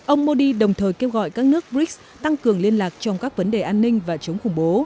ông modi đồng thời kêu gọi các nước brics tăng cường liên lạc trong các vấn đề an ninh và chống khủng bố